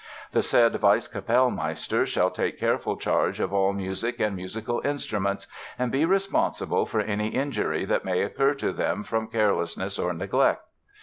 The said Vice Capellmeister shall take careful charge of all music and musical instruments, and be responsible for any injury that may occur to them from carelessness or neglect....